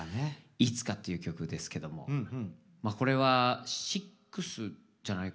「いつか」という曲ですけどもまあこれは「ＳｉＸ」じゃないか。